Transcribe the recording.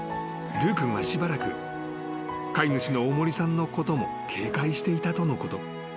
［ルー君はしばらく飼い主の大森さんのことも警戒していたとのこと］